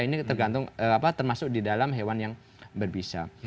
ini termasuk di dalam hewan yang berbisa